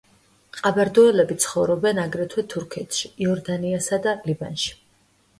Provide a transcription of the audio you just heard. ყაბარდოელები ცხოვრობენ აგრეთვე თურქეთში, იორდანიასა და ლიბანში.